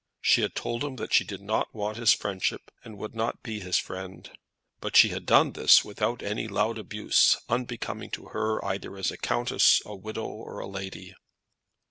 She had told him that she did not want his friendship, and would not be his friend; but she had done this without any loud abuse unbecoming to her either as a countess, a widow, or a lady.